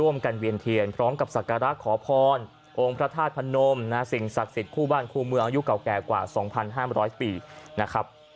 เมื่ออายุเก่ากว่า๒๕๐๐ปีนะครับ